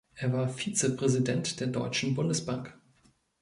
Er war Vizepräsident der Deutschen Bundesbank.